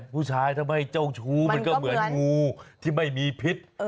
ทำไมเจ้าชู้มันก็เหมือนงูที่ไม่มีพิษ